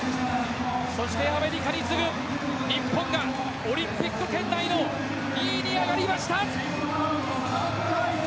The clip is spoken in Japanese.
そしてアメリカに次ぐ日本がオリンピック圏内の２位に上がりました。